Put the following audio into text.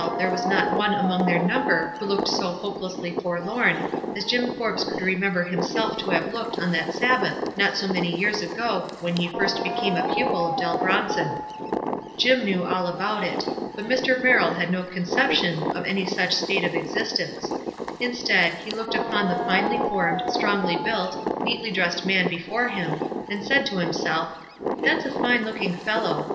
WISE AND OTHERWISE. 237 there was not one among their number who looked so hopelessly forlorn as Jim Forbes could remember himself to have looked on that Sabbath not so many years ago when he first became a pupil of Dell Bronson. Jim knew all about it, but Mr. Merrill had no conception of any such state of existence; instead, he looked upon the finely formed, strongly built, neatly dressed man before him, and said to himself, " That's a fine looking fellow.